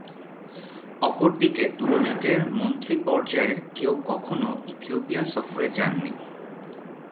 অপরদিকে তুরস্কের মন্ত্রী পর্যায়ের কেউ কখনও ইথিওপিয়া সফরে যাননি।